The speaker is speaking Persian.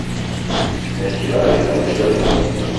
ملکی برای فروش دارید؟